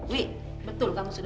wi betul kamu sudah